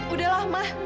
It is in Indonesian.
udah lah mah